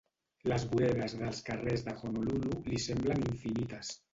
Les voreres dels carrers de Honolulu li semblen infinites.